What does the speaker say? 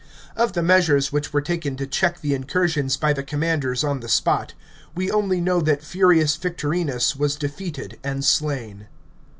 Of the measures which were taken to check the incursions by the commanders on the spot, we only know that Furius Victoiinus was (iefeated and slain.